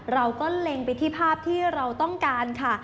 เล็งไปที่ภาพที่เราต้องการค่ะ